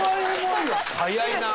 早いな。